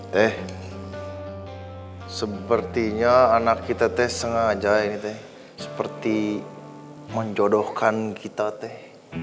teh sepertinya anak kita teh sengaja ini teh seperti menjodohkan kita teh